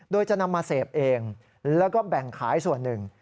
โดยจะนำมาเสพเองแล้วก็แบ่งขายส่วนหนึ่ง